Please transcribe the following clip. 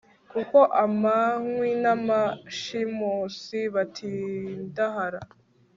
kuko abanywi n'abashimusi batindahara